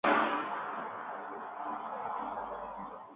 Formó parte del grupo "T-Squad".